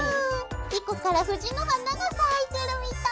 莉子から藤の花が咲いてるみたい！